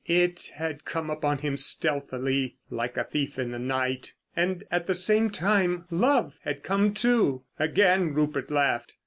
It had come upon him stealthily, like a thief in the night. And at the same time Love had come, too! Again Rupert laughed.